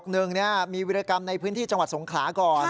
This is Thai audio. หนึ่งมีวิรกรรมในพื้นที่จังหวัดสงขลาก่อน